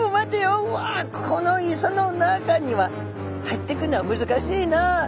うわっこの磯の中には入っていくのは難しいな」。